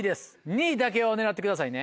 ２位だけを狙ってくださいね。